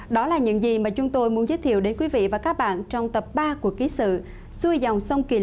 đó là những gì mà chúng tôi muốn giới thiệu đến quý vị và các bạn trong tập ba của ký sự xuôi dòng sông kỳ